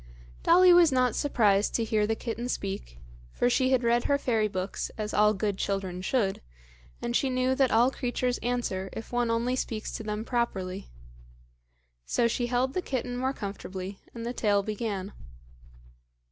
Dolly was not surprised to hear the kitten speak, for she had read her fairy books, as all good children should, and she knew that all creatures answer if one only speaks to them properly. So she held the kitten more comfortably and the tale began.